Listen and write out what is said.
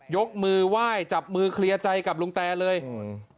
ยกมือไหว้จับมือเคลียร์ใจกับลุงแตเลยอืม